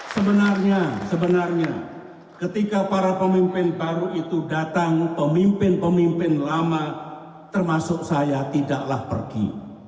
sebenarnya sebenarnya ketika para pemimpin baru itu datang pemimpin pemimpin lama termasuk saya tidaklah pergi